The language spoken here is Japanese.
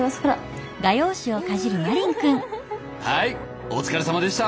はいお疲れさまでした。